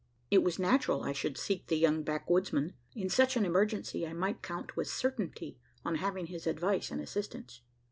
It was natural I should seek the young backwoodsman. In such an emergency, I might count with certainty on having his advice and assistance.